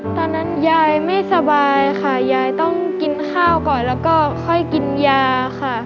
ตอนนั้นยายไม่สบายค่ะยายต้องกินข้าวก่อนแล้วก็ค่อยกินยาค่ะ